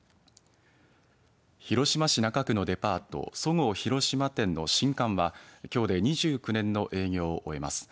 広島市中区のデパートそごう広島店の新館はきょうで２９年の営業を終えます。